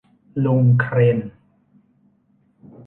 ลุงเครน